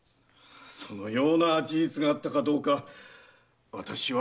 そのような事実があったかどうか私は知りません。